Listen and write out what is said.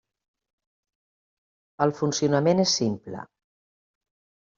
El funcionament és simple.